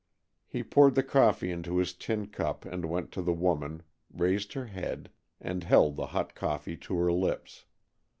He poured the coffee into his tin cup and went to the woman, raised her head, and held the hot coffee to her lips.